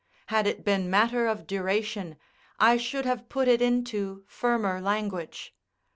Had it been matter of duration, I should have put it into firmer language.